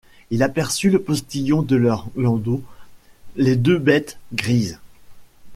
Il aperçut le postillon de leur landau, les deux bêtes grises.